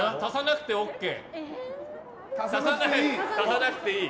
足さなくていい。